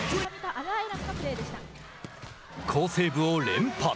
好セーブを連発。